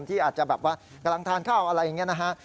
ที่อาจจะแบบว่ากำลังทานข้าวอะไรอย่างนี้นะฮะ